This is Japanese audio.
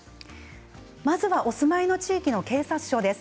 まずは、お住まいの地域の警察署です。